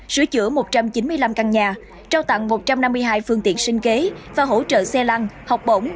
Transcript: sửa chữa một trăm chín mươi năm căn nhà trao tặng một trăm năm mươi hai phương tiện sinh kế và hỗ trợ xe lăng học bổng